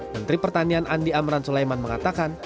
menteri pertanian andi amran sulaiman mengatakan